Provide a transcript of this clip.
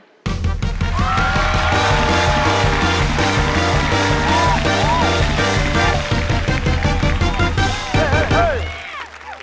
เฮ้เฮ้เฮ้